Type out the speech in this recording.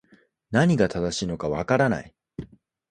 何が正しいのか分からない